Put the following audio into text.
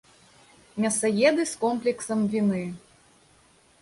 Мясаеды з комплексам віны.